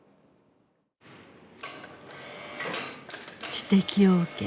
指摘を受け